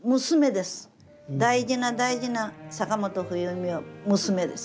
大事な大事な坂本冬美は娘です。